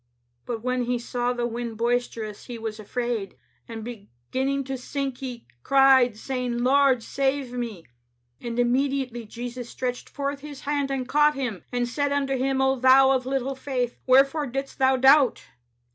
"'But when he saw the wind boisterous, he was afraid; and beginning to sink, he cried, saying. Lord, save me. "*And immediately Jesus stretched forth His hand and caught him, and said unto him, O thou of little faith, wherefore didst thou doubt?